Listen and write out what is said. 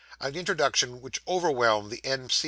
An introduction which overwhelmed the M.